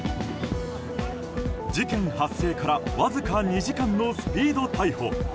事件発生からわずか２時間のスピード逮捕。